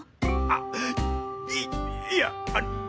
あいいや。